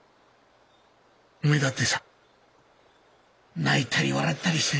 おめえだってさ泣いたり笑ったりして。